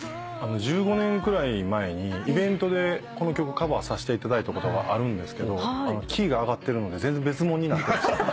１５年くらい前にイベントでこの曲カバーさせていただいたことがあるんですけどキーが上がってるので全然別物になって。